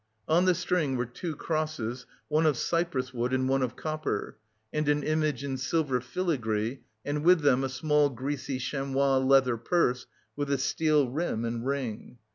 On the string were two crosses, one of Cyprus wood and one of copper, and an image in silver filigree, and with them a small greasy chamois leather purse with a steel rim and ring.